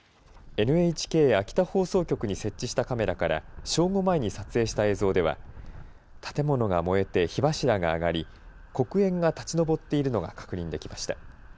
ＮＨＫ秋田放送局に設置したカメラから正午前に撮影した映像では建物が燃えて火柱が上がり黒煙が立ち上っているのが確認できました。